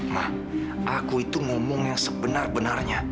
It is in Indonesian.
mah aku itu ngomong yang sebenar benarnya